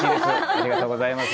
ありがとうございます。